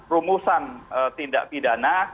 rumusan tindak pidana